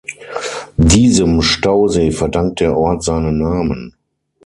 Diesem Stausee verdankt der Ort seinen Namen.